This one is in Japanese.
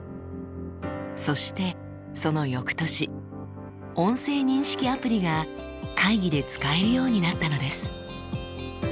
そしてその翌年音声認識アプリが会議で使えるようになったのです。